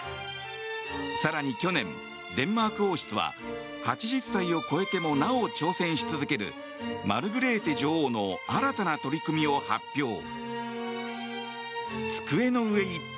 更に去年、デンマーク王室は８０歳を超えてもなお挑戦し続けるマルグレーテ女王の新たな取り組みを発表。